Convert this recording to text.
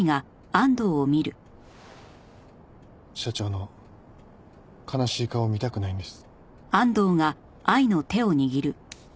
社長の悲しい顔を見たくないんです。